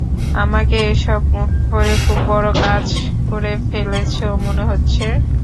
আমাকে এসব করে খুব বড় কাজ করে ফেলেছ মনে হচ্ছে?